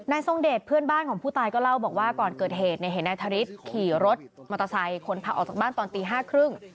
นายทรงเดชน์เพื่อนบ้านของผู้ตายก็เล่าบอกว่าก่อนเกิดเหตุในเหตุนายทรงเดชน์ขี่รถมอเตอร์ไซค์คนพาออกจากบ้านตอนตีห้าครึ่ง